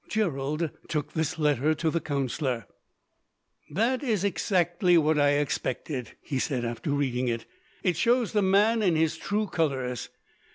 Gerald took this letter to the counsellor. "That is exactly what I expected," he said, after reading it. "It shows the man in his true colours.